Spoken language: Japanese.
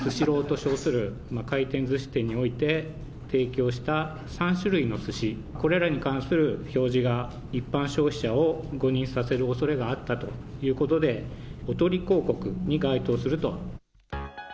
スシローと称する回転ずし店において、提供した３種類のすし、これらに関する表示が、一般消費者を誤認させるおそれがあったということで、おとり広告に該当すると。